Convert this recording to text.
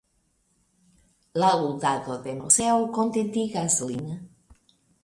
La ludado de Moseo kontentigas lin.